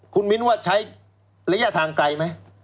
คุณมิ้นว่าใช้ระยะทางไกลไหม